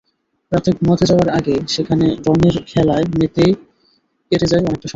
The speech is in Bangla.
রাতে ঘুমাতে যাওয়ার আগে সেখানে রঙের খেলায় মেতেই কেটে যায় অনেকটা সময়।